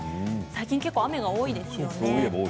最近結構雨が多いですよね。